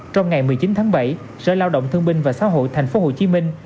trong ngày một mươi chín tháng bảy sở lao động thương binh và xã hội thành phố hồ chí minh